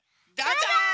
どうぞ！